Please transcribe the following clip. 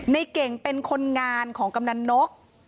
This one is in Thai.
ในเก่งเป็นคนงานของกำนันนก